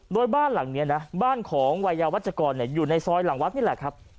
โดยบ้านหลังนี้นะบ้านของวัยยาวัชกรอยู่ในซอยหลังวัดนี่แหละครับ